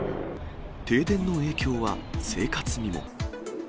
停電の影響は生活にも。